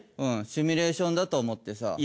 うんシミュレーションだと思ってさ。